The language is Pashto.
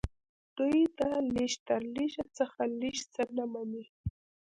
دوی د لږ تر لږه څخه لږ څه نه مني